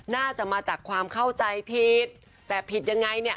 น่าจะมาจากความเข้าใจผิดแต่ผิดยังไงเนี่ย